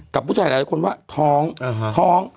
กับผู้ชายหลายคนว่าท้องท้อง